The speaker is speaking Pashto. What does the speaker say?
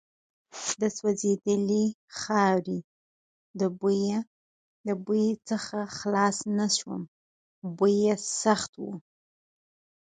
د سوځېدلې خاورې د بوی څخه خلاص نه شوم، بوی یې سخت و.